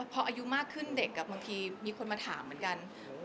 พออายุมากขึ้นเด็กบางทีมีคนมาถามเหมือนกัน